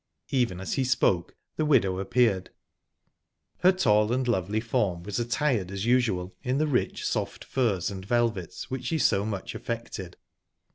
Even as he spoke, the widow appeared. Her tall and lovely form was attired as usual in the rich, soft furs and velvets which she so much affected.